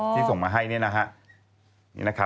ที่ส่งมาให้นี่นะฮะ